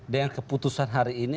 dengan keputusan hari ini